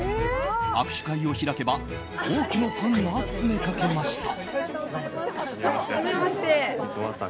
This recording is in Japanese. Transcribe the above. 握手会を開けば多くのファンが詰めかけました。